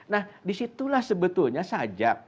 nah disitulah sebetulnya sajak